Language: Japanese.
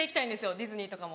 ディズニーとかも。